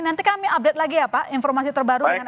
nanti kami update lagi ya pak informasi terbaru